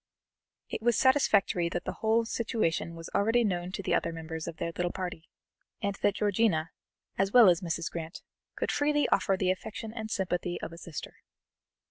It was satisfactory that the whole situation was already known to the other members of their little party, and that Georgiana, as well as Mrs. Grant, could freely offer the affection and sympathy of a sister.